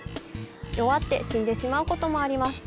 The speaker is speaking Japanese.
弱って死んでしまう事もあります。